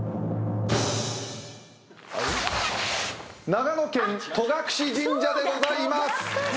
長野県戸隠神社でございます。